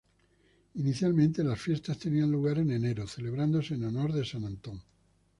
Inicialmente las fiestas tenían lugar en enero, celebrándose en honor de San Antón.